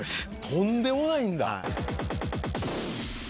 とんでもないんだ！